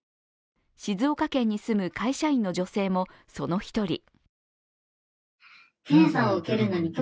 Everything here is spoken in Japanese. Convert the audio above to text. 静岡県に住む会社員の女性もその一人。